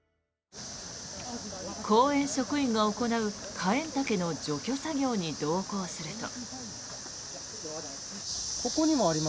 公園職員が行うカエンタケの除去作業に同行すると。